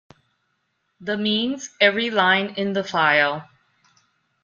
The means every line in the file.